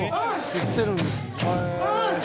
吸ってるんですね」